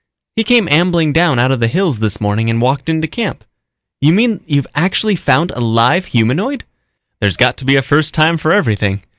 "He came ambling down out of the hills this morning and walked into camp." "You mean you've actually found a live humanoid?" "There's got to be a first time for everything."